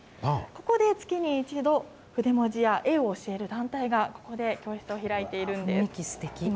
ここで月に１度、筆文字や絵を教える団体が、ここで教室を開いているんです。